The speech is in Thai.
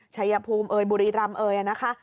ชายภูมิเอยบุรีรำเอย